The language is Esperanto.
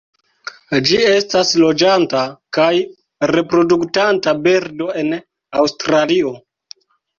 Ĝi estas loĝanta kaj reproduktanta birdo en Aŭstralio.